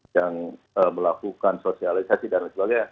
yang melakukan sosialisasi dan sebagainya